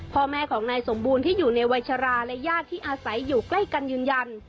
พ่อแม่ของนายสมบูรณ์ที่อยู่ในวัยชราและญาติที่อาศัยอยู่ใกล้กันยืนยัน